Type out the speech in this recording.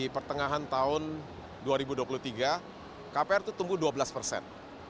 pertengahan tahun dua ribu dua puluh tiga kpr itu tumbuh dua belas persen